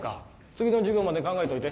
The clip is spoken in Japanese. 次の授業まで考えといて。